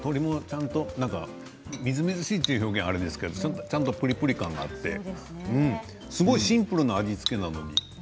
みずみずしいという表現はあれですけど鶏もすごくプリプリ感があってシンプルな味付けなのに。